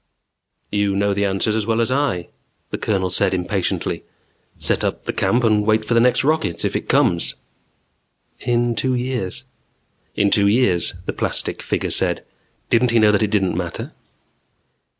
"You know the answers as well as I," the Colonel said impatiently. "Set up the camp and wait for the next rocket. If it comes." "In two years." "In two years," the plastic figure said. Didn't he know that it didn't matter?